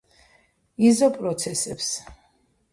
იზოპროცესებს